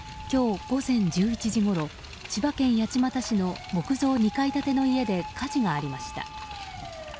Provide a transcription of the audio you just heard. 今日午前１１時ごろ千葉県八街市の木造２階建ての家で火事がありました。